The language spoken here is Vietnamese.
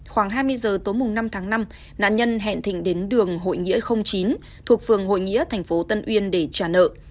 khoảng hai mươi giờ tối năm tháng năm nạn nhân hẹn thịnh đến đường hội nghĩa chín thuộc phường hội nghĩa thành phố tân uyên để trả nợ